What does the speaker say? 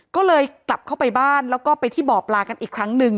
ก็เลยกลับเข้าไปบ้านแล้วก็ไปที่บ่อปลากันอีกครั้งหนึ่ง